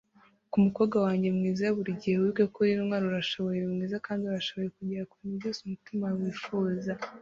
ku mukobwa wanjye mwiza, burigihe wibuke: uri intwari, urashoboye, uri mwiza, kandi urashobora kugera kubintu byose umutima wawe wifuza